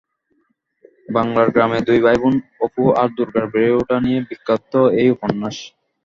বাংলার গ্রামে দুই ভাইবোন অপু আর দুর্গার বেড়ে ওঠা নিয়েই বিখ্যাত এই উপন্যাস।